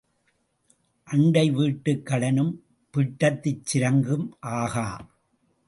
அண்டை வீட்டுக் கடனும் பிட்டத்துச் சிரங்கும் ஆகா.